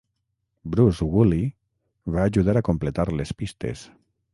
Bruce Woolley va ajudar a completar les pistes.